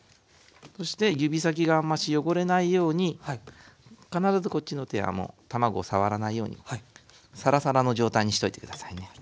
そして指先があんまし汚れないように必ずこっちの手はもう卵を触らないようにサラサラの状態にしといて下さいね。